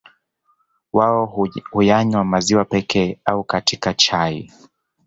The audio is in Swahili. Wao huyanywa maziwa pekee au katika chai